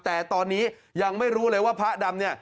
แต่ตอนนี้ยังไม่รู้เลยว่าพระดำเนี่ย